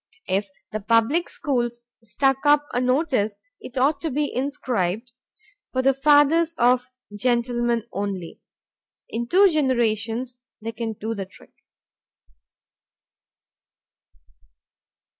If the public schools stuck up a notice it ought to be inscribed, "For the Fathers of Gentlemen only." In two generations they can do the trick.